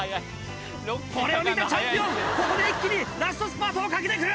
これを見たチャンピオンここで一気にラストスパートをかけてく！